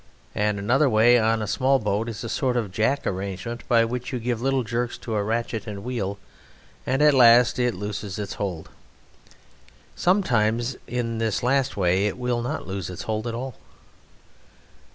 And another way on smaller boats is a sort of jack arrangement by which you give little jerks to a ratchet and wheel, and at last It looses Its hold. Sometimes (in this last way) It will not loose Its hold at all.